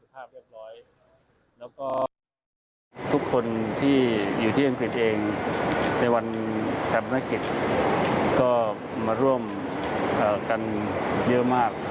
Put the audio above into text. แล้วก็ทุกคนที่อยู่ที่อังกฤษเองในวันแสบเมื่อเกร็ดก็มาร่วมกันเยอะมาก